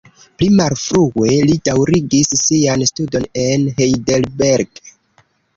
Pli malfrue li daŭrigis sian studon en Heidelberg.